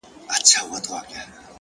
• مور مي خپه ده ها ده ژاړي راته ـ